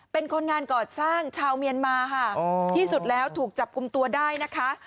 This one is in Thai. เป็นคนงานก่อสร้างชาวเมียนมาค่ะที่สุดแล้วถูกจับกลุ่มตัวได้นะคะ